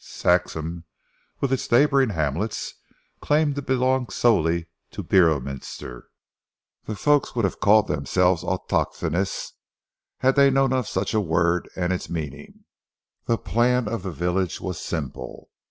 Saxham, with its neighbouring hamlets, claimed to belong solely to Beorminster. The folk would have called themselves autochthonous, had they known of such a word and its meaning. The plan of the village was simple.